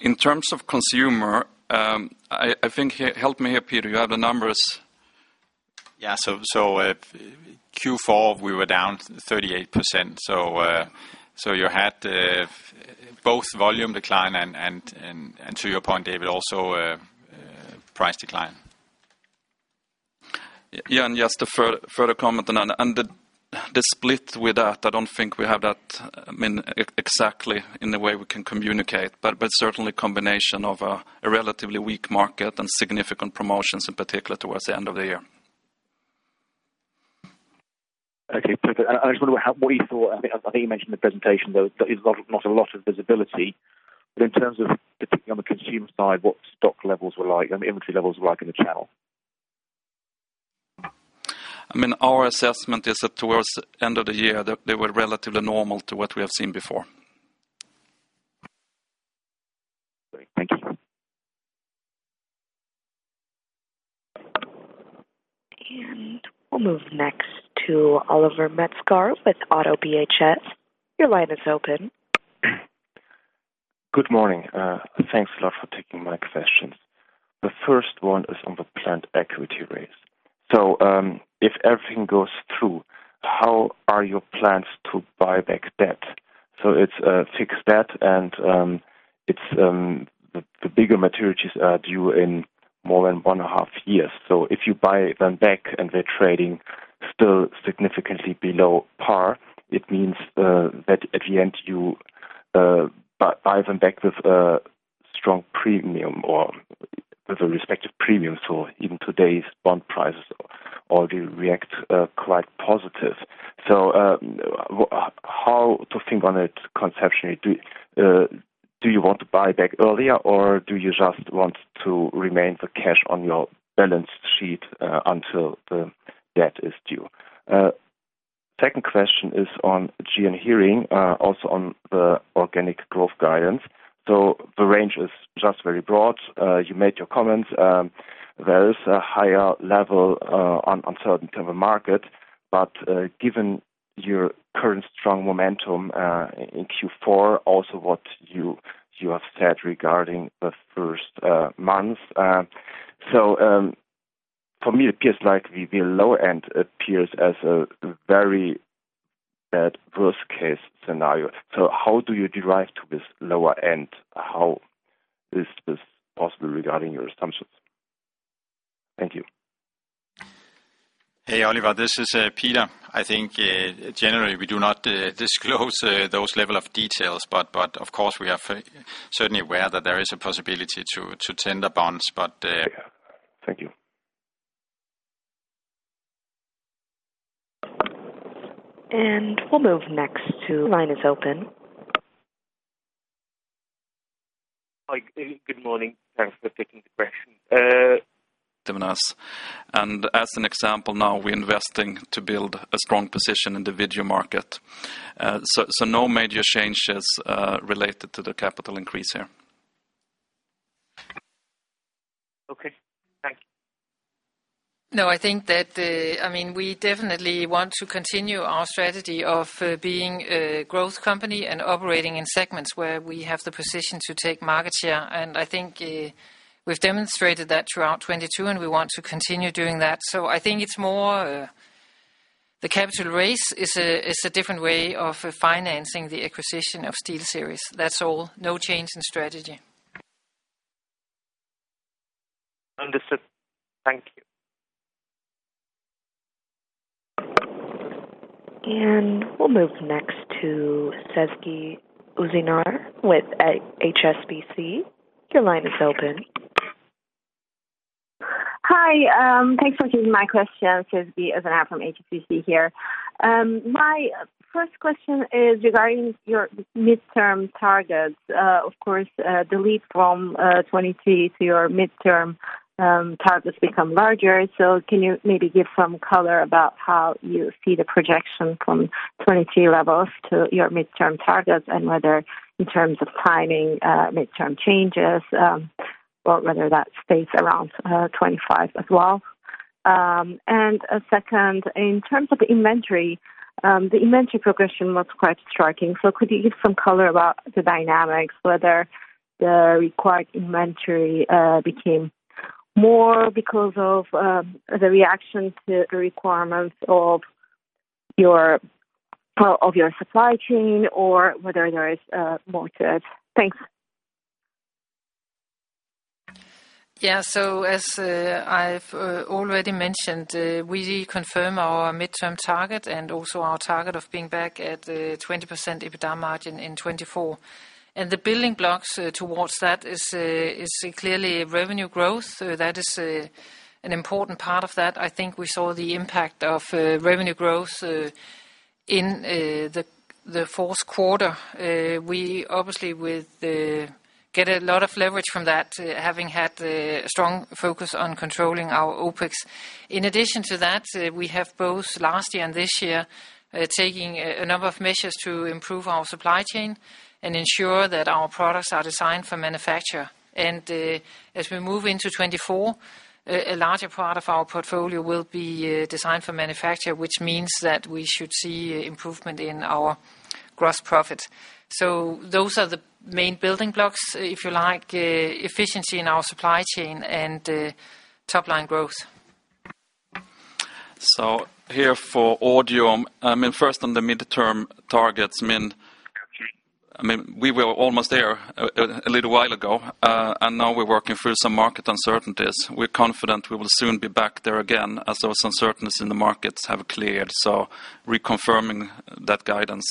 In terms of consumer, I think. Help me here, Peter. You have the numbers. Yeah. Q4, we were down 38%. You had both volume decline and to your point, David Adlington, also price decline. Yeah. Just a further comment on the split with that. I don't think we have that, I mean, exactly in the way we can communicate. Certainly combination of a relatively weak market and significant promotions in particular towards the end of the year. Okay. I just wonder what you thought. I think you mentioned the presentation, though there is not a lot of visibility. In terms of particularly on the consumer side, what stock levels were like and inventory levels were like in the channel? I mean, our assessment is that towards the end of the year, they were relatively normal to what we have seen before. Great. Thank you. We'll move next to Oliver Metzger with Oddo BHF. Your line is open. Good morning. Thanks a lot for taking my questions. The first one is on the planned equity raise. If everything goes through, how are your plans to buy back debt? It's a fixed debt, and the bigger maturities are due in more than 1.5 years. If you buy them back and they're trading still significantly below par, it means that at the end you buy them back with a strong premium or with a respective premium. Even today's bond prices already react quite positive. How to think on it conceptually? Do you want to buy back earlier, or do you just want to remain the cash on your balance sheet until the debt is due? Second question is on GN Hearing, also on the organic growth guidance. The range is just very broad. You made your comments. There is a higher level uncertainty on the market. Given your current strong momentum in Q4, also what you have said regarding the first month. For me, it appears like the lower end appears as a very bad worst-case scenario. How do you derive to this lower end? How is this possible regarding your assumptions? Thank you. Hey, Oliver, this is Peter. I think, generally, we do not disclose those level of details, but of course we are certainly aware that there is a possibility to tender bonds, but. Yeah. Thank you. We'll move next to. Line is open. Hi. Good morning. Thanks for taking the question. As an example now, we're investing to build a strong position in the video market. No major changes related to the capital increase here. Okay. Thank you. I think that, I mean, we definitely want to continue our strategy of being a growth company and operating in segments where we have the position to take market share. I think, we've demonstrated that throughout 2022, and we want to continue doing that. I think it's more, the capital raise is a, is a different way of financing the acquisition of SteelSeries. That's all. No change in strategy. Understood. Thank you. We'll move next to Sezgi Ozener with HSBC. Your line is open. Hi, thanks for taking my question. Sezgi Ozener from HSBC here. My first question is regarding your midterm targets. Of course, the leap from 2022 to your midterm targets become larger. Can you maybe give some color about how you see the projection from 2022 levels to your midterm targets, and whether in terms of timing, midterm changes, or whether that stays around 2025 as well? And a second, in terms of the inventory, the inventory progression was quite striking, so could you give some color about the dynamics, whether the required inventory became more because of the reaction to the requirements of your, well, of your supply chain or whether there is more to it? Thanks. As I've already mentioned, we confirm our midterm target and also our target of being back at 20% EBITDA margin in 2024. The building blocks towards that is clearly revenue growth. That is an important part of that. I think we saw the impact of revenue growth in the fourth quarter. We obviously get a lot of leverage from that, having had a strong focus on controlling our OpEx. In addition to that, we have both last year and this year taking a number of measures to improve our supply chain and ensure that our products are designed for manufacture. As we move into 2024, a larger part of our portfolio will be designed for manufacture, which means that we should see improvement in our gross profit. Those are the main building blocks, if you like, efficiency in our supply chain and top line growth. Here for Audio. I mean, first on the midterm targets, I mean, we were almost there a little while ago, and now we're working through some market uncertainties. We're confident we will soon be back there again as those uncertainties in the markets have cleared, so reconfirming that guidance.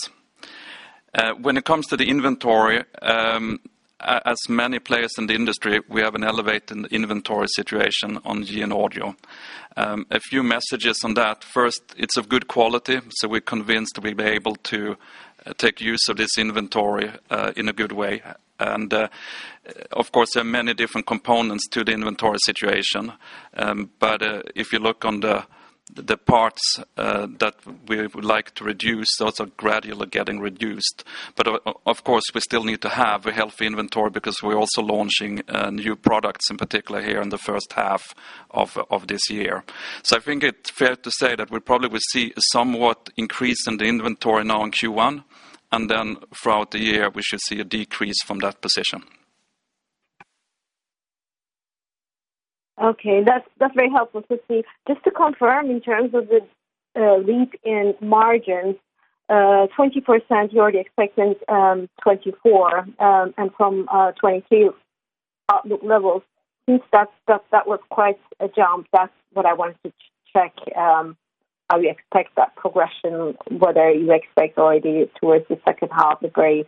When it comes to the inventory, as many players in the industry, we have an elevated inventory situation on year in Audio. A few messages on that. First, it's of good quality, so we're convinced we'll be able to take use of this inventory in a good way. Of course, there are many different components to the inventory situation. If you look on the parts that we would like to reduce, those are gradually getting reduced. Of course, we still need to have a healthy inventory because we're also launching new products in particular here in the first half of this year. I think it's fair to say that we probably will see a somewhat increase in the inventory now in Q1, and then throughout the year we should see a decrease from that position. Okay. That's very helpful to see. Just to confirm, in terms of the leap in margins, 20% you're already expecting 2024, and from 2022 levels. Since that's stuff that was quite a jump, that's what I wanted to check how you expect that progression, whether you expect already towards the second half degree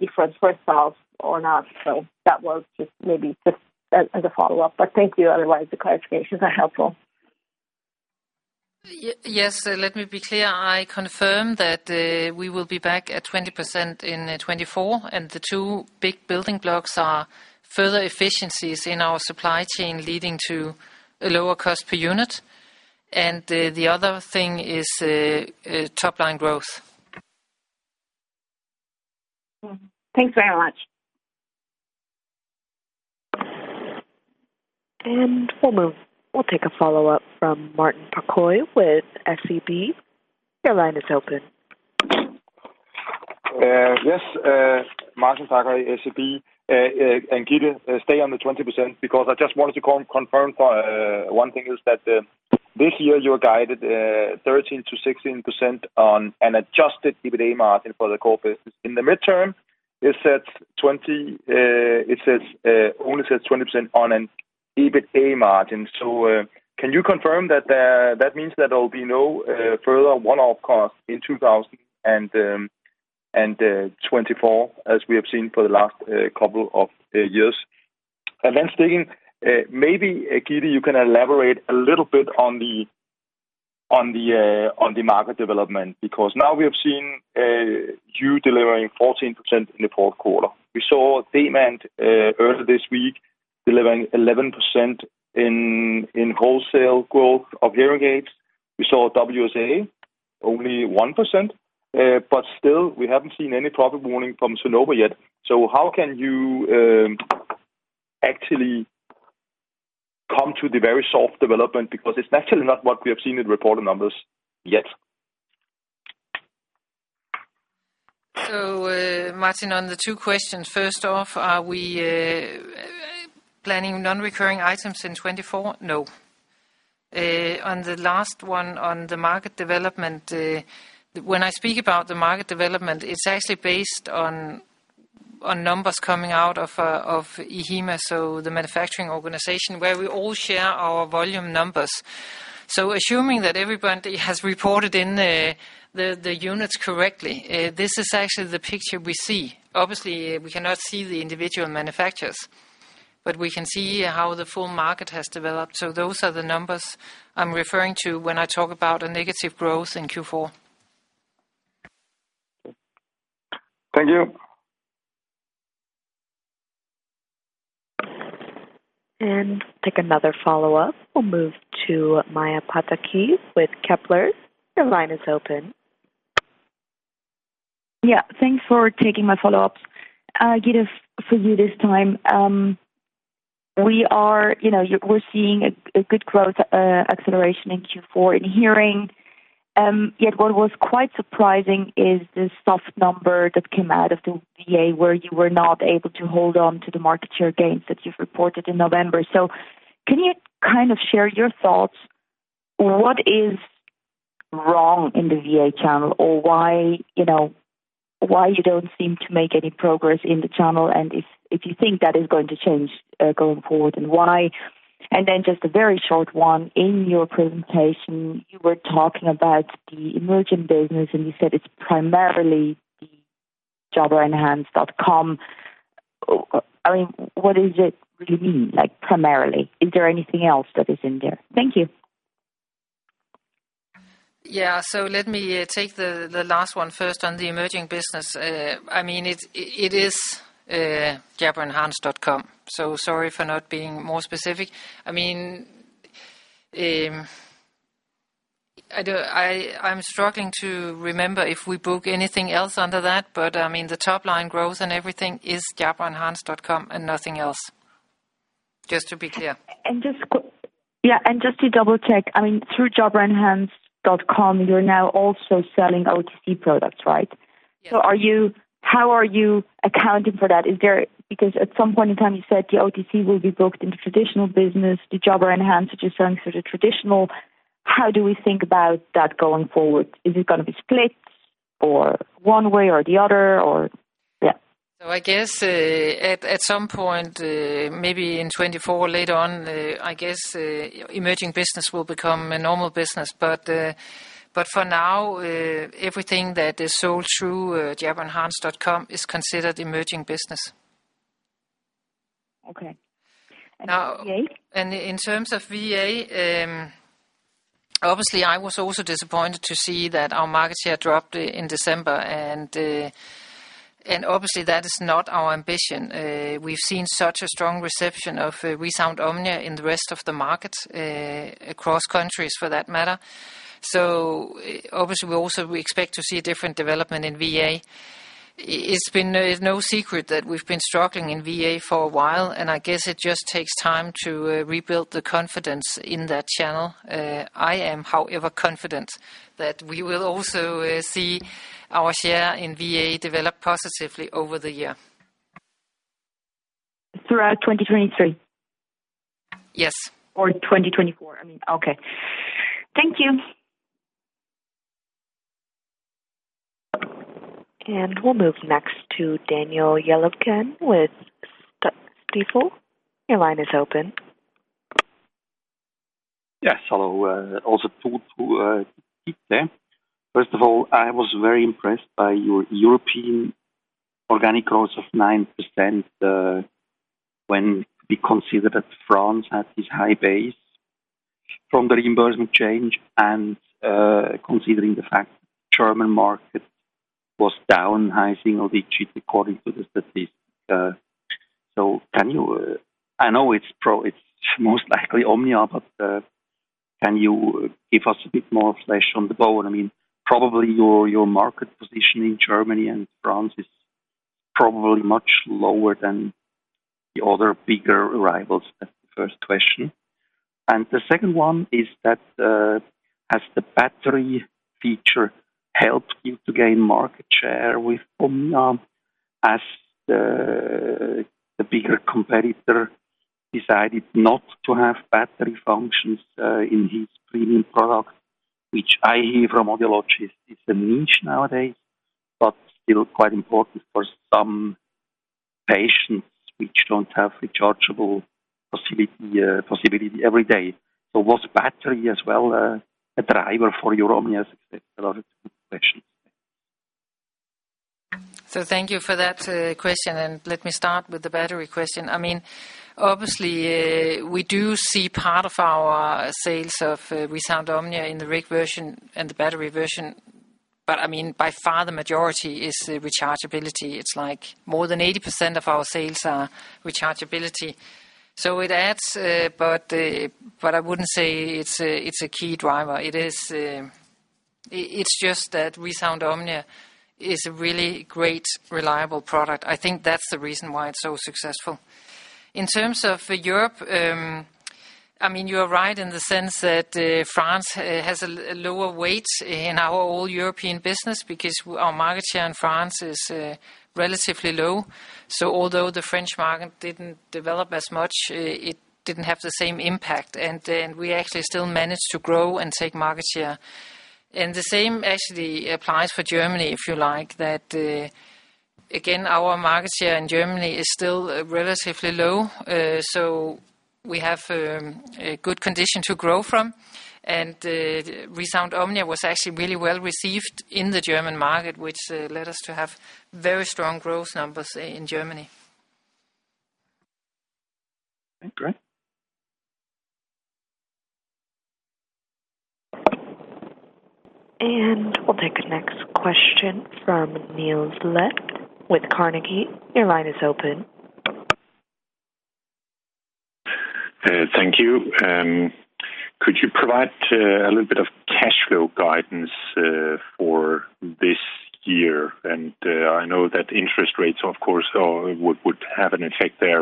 before the first half or not. That was just maybe just as a follow-up. Thank you otherwise, the clarifications are helpful. Yes. Let me be clear. I confirm that we will be back at 20% in 2024, and the two big building blocks are further efficiencies in our supply chain leading to a lower cost per unit, and the other thing is top line growth. Thanks very much. We'll move. We'll take a follow-up from Martin Parkhoi with SEB. Your line is open. Yes. Martin Parkhøi, SEB. Gitte, stay on the 20%, because I just wanted to confirm one thing is that this year you're guided 13%-16% on an adjusted EBITA margin for the core business. In the midterm, it says 20%, it says, only says 20% on an EBITA margin. Can you confirm that that means that there will be no further one-off costs in 2024, as we have seen for the last couple of years? Stig, maybe, Gitte, you can elaborate a little bit on the, on the market development, because now we have seen you delivering 14% in the fourth quarter. We saw Demant earlier this week delivering 11% in wholesale growth of hearing aids. We saw WSA only 1%. Still, we haven't seen any profit warning from Sonova yet. How can you actually come to the very soft development? Because it's actually not what we have seen in reported numbers yet. Martin, on the two questions, first off, are we planning non-recurring items in 2024? No. On the last one on the market development, when I speak about the market development, it's actually based on numbers coming out of EHIMA, so the manufacturing organization where we all share our volume numbers. Assuming that everybody has reported in the units correctly, this is actually the picture we see. Obviously, we cannot see the individual manufacturers, but we can see how the full market has developed. Those are the numbers I'm referring to when I talk about a negative growth in Q4. Thank you. Take another follow-up. We'll move to Maja Pataki with Kepler. Your line is open. Thanks for taking my follow-ups. Gitte, for you this time. We are, you know, we're seeing a good growth acceleration in Q4 in hearing. Yet what was quite surprising is the soft number that came out of the VA, where you were not able to hold on to the market share gains that you've reported in November. Can you kind of share your thoughts? What is wrong in the VA channel or why, you know, why you don't seem to make any progress in the channel, and if you think that is going to change going forward and why? Just a very short one. In your presentation, you were talking about the emerging business, and you said it's primarily the JabraEnhance.com. I mean, what does it really mean, like, primarily? Is there anything else that is in there? Thank you. Yeah. Let me take the last one first on the emerging business. I mean, it's, it is JabraEnhance.com. Sorry for not being more specific. I mean, I'm struggling to remember if we book anything else under that. I mean, the top line growth and everything is JabraEnhance.com and nothing else, just to be clear. Yeah, just to double-check, I mean, through JabraEnhance.com, you're now also selling OTC products, right? Yes. How are you accounting for that? Is there? At some point in time you said the OTC will be booked into traditional business. The Jabra Enhance, which is selling sort of traditional. How do we think about that going forward? Is it gonna be split or one way or the other? Yeah. I guess, at some point, maybe in 2024 later on, I guess, emerging business will become a normal business. For now, everything that is sold through JabraEnhance.com is considered emerging business. Okay. VA? Now, in terms of VA, obviously, I was also disappointed to see that our market share dropped in December. Obviously, that is not our ambition. We've seen such a strong reception of ReSound OMNIA in the rest of the markets, across countries for that matter. Obviously, we expect to see a different development in VA. It's been no secret that we've been struggling in VA for a while, and I guess it just takes time to rebuild the confidence in that channel. I am however, confident that we will also see our share in VA develop positively over the year. Throughout 2023? Yes. 2024, I mean. Okay. Thank you. We'll move next to Daniel Yakutilov with Stifel. Your line is open. Yes. Hello. Also to Gitte. First of all, I was very impressed by your European organic growth of 9% when we consider that France had this high base from the reimbursement change and considering the fact German market was down high single digits according to the statistics. Can you... I know it's most likely OMNIA, but can you give us a bit more flesh on the bone? I mean, probably your market position in Germany and France is probably much lower than the other bigger rivals. That's the first question. The second one is that, has the battery feature helped you to gain market share with OMNIA as the bigger competitor decided not to have battery functions in his premium product, which I hear from audiologists is a niche nowadays, but still quite important for some patients which don't have rechargeable possibility every day? Was battery as well a driver for your OMNIA success? A lot of good questions. Thank you for that question, and let me start with the battery question. I mean, obviously, we do see part of our sales of ReSound OMNIA in the RIC version and the battery version, but I mean, by far the majority is rechargeability. It's like more than 80% of our sales are rechargeability. It adds, but I wouldn't say it's a key driver. It is, it's just that ReSound OMNIA is a really great, reliable product. I think that's the reason why it's so successful. In terms of Europe, I mean, you are right in the sense that France has a lower weight in our all European business because our market share in France is relatively low. Although the French market didn't develop as much, it didn't have the same impact, and we actually still managed to grow and take market share. The same actually applies for Germany, if you like, that, again, our market share in Germany is still relatively low. We have a good condition to grow from. ReSound OMNIA was actually really well received in the German market, which led us to have very strong growth numbers in Germany. Okay, great. We'll take the next question from Niels Granholm-Leth with Carnegie. Your line is open. Thank you. Could you provide a little bit of cash flow guidance for this year? I know that interest rates, of course, would have an effect there.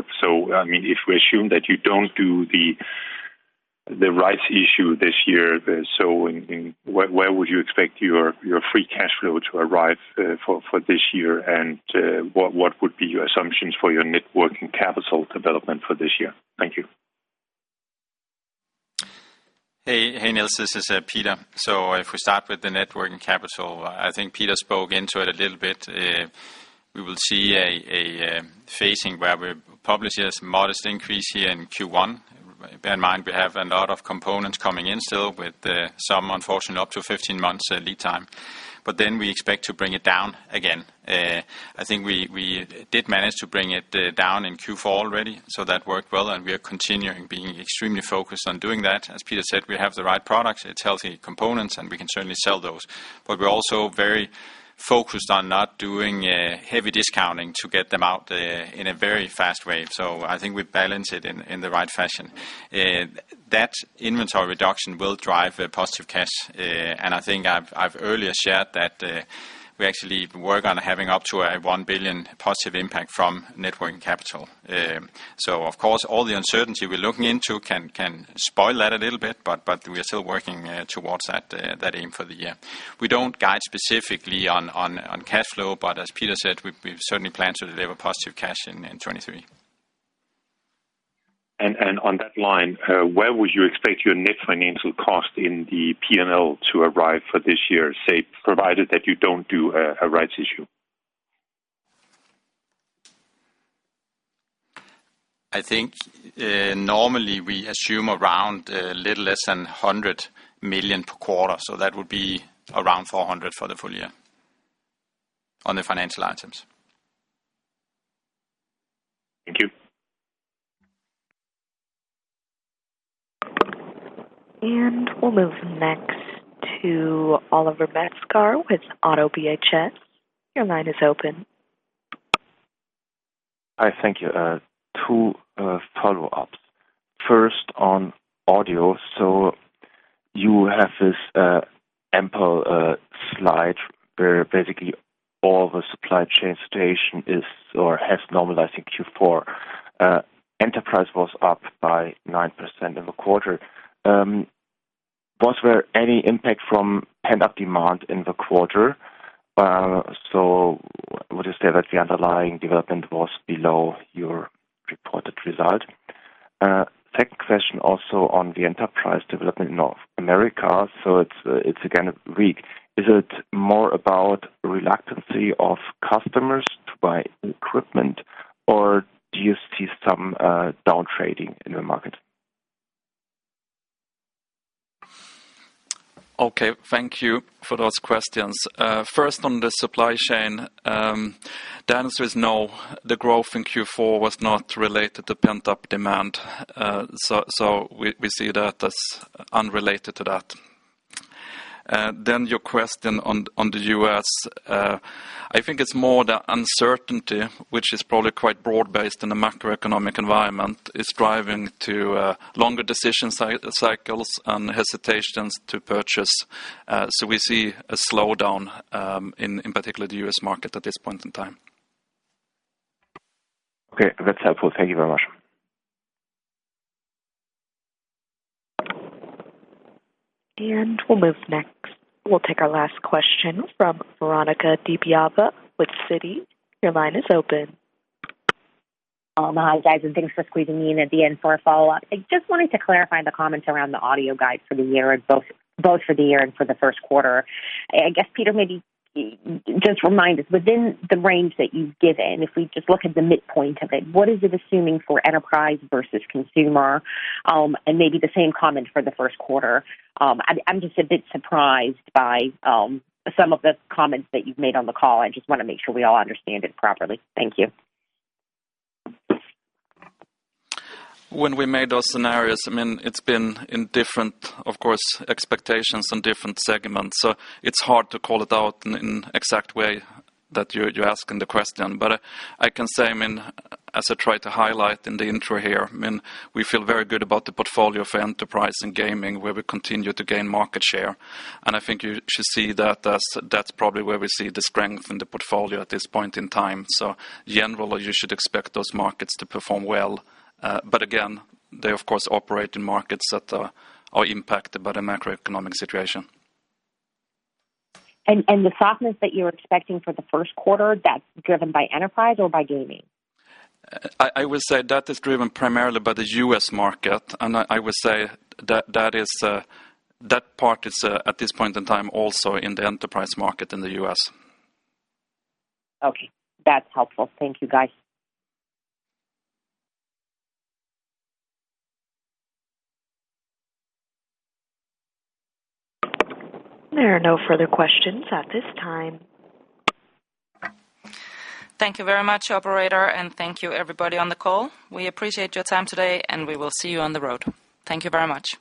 I mean, if we assume that you don't do the rights issue this year, where would you expect your free cash flow to arrive for this year? What would be your assumptions for your networking capital development for this year? Thank you. Hey, hey, Niels. This is Peter. If we start with the networking capital, I think Peter spoke into it a little bit. We will see a phasing where we probably see a modest increase here in Q1. Bear in mind, we have a lot of components coming in still with some unfortunately up to 15 months lead time. We expect to bring it down again. I think we did manage to bring it down in Q4 already, that worked well, we are continuing being extremely focused on doing that. As Peter said, we have the right products. It's healthy components, we can certainly sell those. We're also very focused on not doing heavy discounting to get them out in a very fast way. I think we balance it in the right fashion. That inventory reduction will drive a positive cash. And I think I've earlier shared that we actually work on having up to 1 billion positive impact from networking capital. Of course, all the uncertainty we're looking into can spoil that a little bit, but we are still working towards that aim for the year. We don't guide specifically on cash flow, but as Peter said, we certainly plan to deliver positive cash in 2023. On that line, where would you expect your net financial cost in the P&L to arrive for this year, say, provided that you don't do a rights issue? I think, normally we assume around little less than 100 million per quarter, so that would be around 400 million for the full year on the financial items. Thank you. We'll move next to Oliver Metzger with Oddo BHF. Your line is open. Hi. Thank you. Two follow-ups. First, on audio. You have this ample slide where basically all the supply chain situation is or has normalized in Q4. Enterprise was up by 9% in the quarter. Was there any impact from pent-up demand in the quarter? Would you say that the underlying development was below your reported result? Second question also on the enterprise development in North America. It's again weak. Is it more about reluctancy of customers to buy equipment, or do you see some down trading in the market? Okay. Thank you for those questions. First on the supply chain, the answer is no. The growth in Q4 was not related to pent-up demand. We see that as unrelated to that. Your question on the U.S.. I think it's more the uncertainty, which is probably quite broad-based in the macroeconomic environment, is driving to longer decision cycles and hesitations to purchase. We see a slowdown in particular the U.S. market at this point in time. Okay. That's helpful. Thank you very much. We'll move next. We'll take our last question from Veronika Dubajova with Citi. Your line is open. Hi, guys, thanks for squeezing me in at the end for a follow-up. I just wanted to clarify the comments around the audio guide for the year and both for the year and for the first quarter. I guess, Peter, maybe just remind us within the range that you've given, if we just look at the midpoint of it, what is it assuming for enterprise versus consumer? Maybe the same comment for the first quarter. I'm just a bit surprised by some of the comments that you've made on the call. I just wanna make sure we all understand it properly. Thank you. When we made those scenarios, I mean, it's been in different, of course, expectations and different segments, so it's hard to call it out in exact way that you're asking the question. I can say, I mean, as I tried to highlight in the intro here, I mean, we feel very good about the portfolio for enterprise and gaming, where we continue to gain market share. I think you should see that as that's probably where we see the strength in the portfolio at this point in time. Generally, you should expect those markets to perform well. Again, they of course operate in markets that are impacted by the macroeconomic situation. The softness that you're expecting for the first quarter, that's driven by enterprise or by gaming? I would say that is driven primarily by the U.S. market. I would say that is, that part is at this point in time also in the enterprise market in the U.S. Okay. That's helpful. Thank you, guys. There are no further questions at this time. Thank you very much, operator, and thank you everybody on the call. We appreciate your time today, and we will see you on the road. Thank you very much.